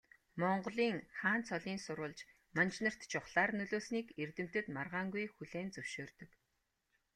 Монголын хаан цолын сурвалж манж нарт чухлаар нөлөөлснийг эрдэмтэд маргаангүй хүлээн зөвшөөрдөг.